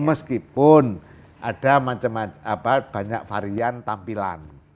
meskipun ada banyak varian tampilan